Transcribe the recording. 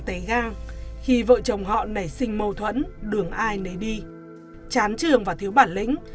tấy gang khi vợ chồng họ nảy sinh mâu thuẫn đường ai nấy đi chán trường và thiếu bản lĩnh